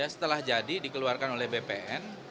setelah jadi dikeluarkan oleh bpn